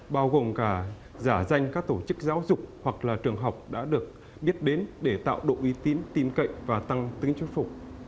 bao gồm cả giả danh các tổ chức giáo dục hoặc là trường học đã được biết đến để tạo độ uy tín tin cậy và tăng tính chúc phục